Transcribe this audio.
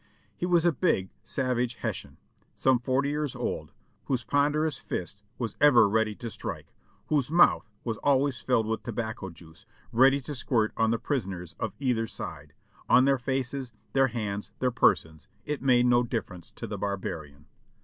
He was a big, savage Hessian, some forty years old, whose ponderous fist was ever ready to strike, whose mouth was always filled with tobacco juice, ready to squirt on the prisoners of either side — on their faces, their hands, their persons, it made no difference to the barbarian.